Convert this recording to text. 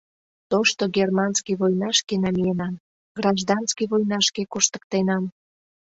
Тошто германский войнашке намиенам, гражданский войнашке коштыктенам.